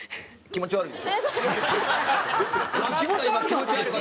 気持ち悪い。